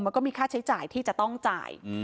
มันก็มีค่าใช้จ่ายที่จะต้องจ่าย